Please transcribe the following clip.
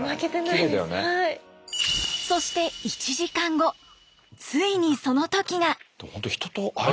そして１時間後ついにその時が。